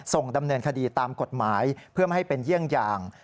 ส่งดำเนินคดีตามกฎหมายเพื่อไม่ให้เป็นเยี่ยงอย่าง